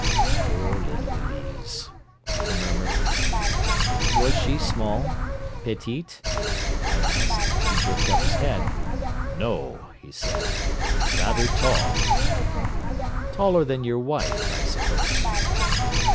"Poor little Elise," he murmured. "Was she small petite?" I asked. He jerked up his head. "No," he said. "Rather tall." "Taller than your wife, I suppose."